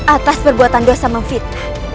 atas perbuatan dosa memfitnah